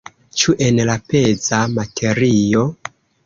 Ĉu en la peza materio?